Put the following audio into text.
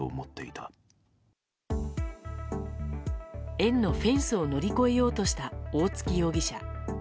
園のフェンスを乗り越えようとした大槻容疑者。